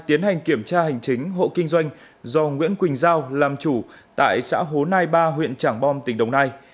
tiến hành kiểm tra hành chính hộ kinh doanh do nguyễn quỳnh giao làm chủ tại xã hố nai ba huyện trảng bom tỉnh đồng nai